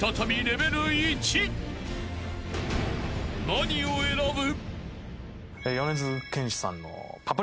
［何を選ぶ？］